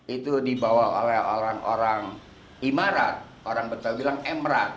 itu dibawa oleh orang orang imarat orang betawilang emrat